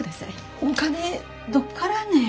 お金どっからね？